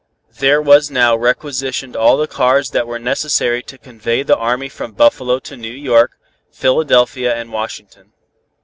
There was now requisitioned all the cars that were necessary to convey the army from Buffalo to New York, Philadelphia and Washington.